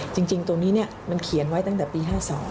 จริงตรงนี้มันเขียนไว้ตั้งแต่ปี๕๒